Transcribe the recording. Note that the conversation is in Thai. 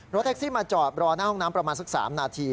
แท็กซี่มาจอดรอหน้าห้องน้ำประมาณสัก๓นาที